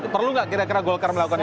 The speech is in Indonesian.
perlu nggak kira kira golkar melakukan itu